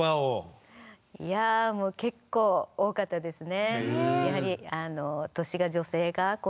いや結構多かったですね。